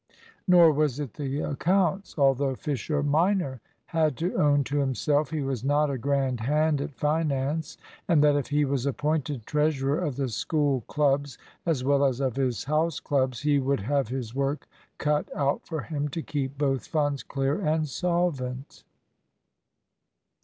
Nor was it the accounts; although Fisher minor had to own to himself he was not a grand hand at finance, and that if he was appointed treasurer of the School clubs, as well as of his House clubs, he would have his work cut out for him to keep both funds clear and solvent.